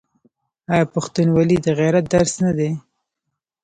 آیا پښتونولي د غیرت درس نه دی؟